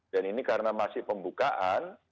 dan ini karena masih pembukaan